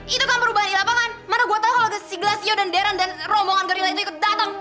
itu kan perubahan di lapangan mana gue tau kalau si glassio dan darren dan rombongan gerila itu ikut dateng